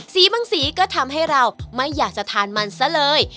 บางสีก็ทำให้เราไม่อยากจะทานมันซะเลย